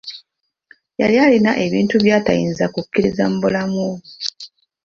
Yali alina ebintu by'atayinza kukkiriza mu bulamu bwe.